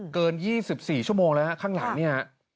เกิน๒๔ชั่วโมงแล้วฮะข้างหลังเนี่ย